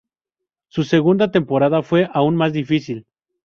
Su segunda temporada fue aún más difícil.